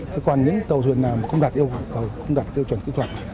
thế còn những tàu thuyền nào không đạt tiêu chuẩn kỹ thuật